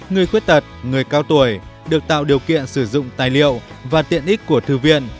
người khuyết tật người cao tuổi được tạo điều kiện sử dụng tài liệu và tiện ích của thư viện